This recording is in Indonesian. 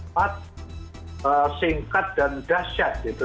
juga singkat dan dahsyat gitu